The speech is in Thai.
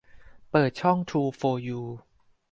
เปิดช่องทรูโฟร์ยู